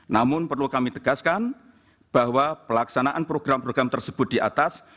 namun perlu kami tegaskan bahwa pelaksanaan program program tersebut di atas